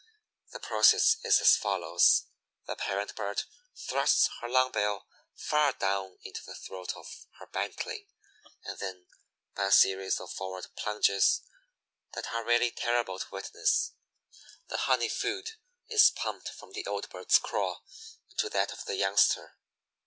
The process is as follows: The parent bird thrusts her long bill far down into the throat of her bantling, and then, by a series of forward plunges that are really terrible to witness, the honey food is pumped from the old bird's craw into that of the youngster.